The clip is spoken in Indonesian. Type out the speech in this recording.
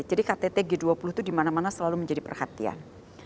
jadi ktt g dua puluh itu dimana mana selalu menjadi perhatian